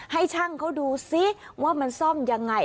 ให้ช่างเขาดูซิว่ามันซ่อมยังไง